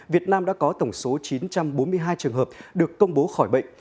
việt nam đã có tổng số chín trăm bốn mươi hai trường hợp được công bố khỏi bệnh